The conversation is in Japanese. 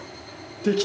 できた。